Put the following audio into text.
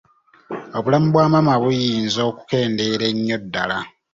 Obulamu bwa maama buyinza okukendeera ennyo ddala.